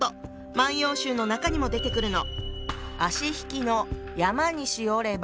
「万葉集」の中にも出てくるの。